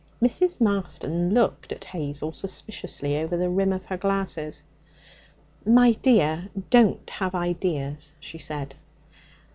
Mrs. Marston looked at Hazel suspiciously over the rim of her glasses. 'My dear, don't have ideas,' she said.